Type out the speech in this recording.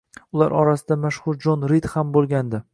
Ular orasida mashhur Jon Rid ham bo‘ladi.